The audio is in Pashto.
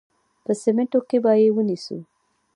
په سمینټو کې به یې ونیسو.